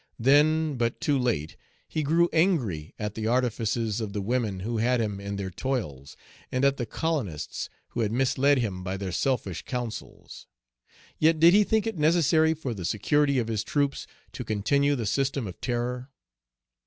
Then, but too late, he grew angry at the artifices of the women who had him in their toils, and at the colonists who had misled him by their selfish counsels. Yet did he think it necessary for the security of his troops to continue the system of terror.